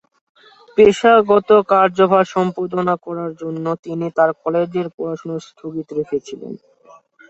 পেশাগত কার্যভার সম্পাদন করার জন্য তিনি তার কলেজের পড়াশোনা স্থগিত রেখেছিলেন।